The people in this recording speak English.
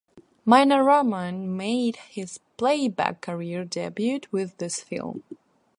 Minar Rahman made his playback career debut with this film.